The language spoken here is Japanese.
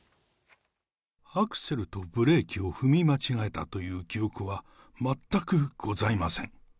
アクセルとブレーキを踏み間違えたという記憶は全くございません。